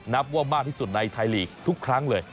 นับว่ามากที่สุดในไทยลีกทุกครั้งเลย